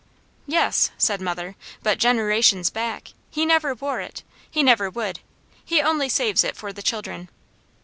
"Yes," said mother, "but generations back. He never wore it. He never would. He only saves it for the children."